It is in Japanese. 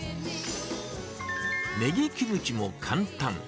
ネギキムチも簡単。